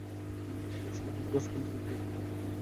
তিনি ছিলেন হবিগঞ্জ থেকে মন্ত্রীর দায়িত্ব করা প্রথম ব্যক্তি।